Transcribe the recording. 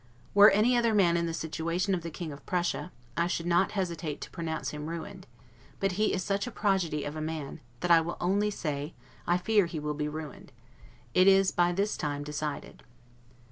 Were any other man in the situation of the King of Prussia, I should not hesitate to pronounce him ruined; but he is such a prodigy of a man, that I will only say, I fear he will be ruined. It is by this time decided.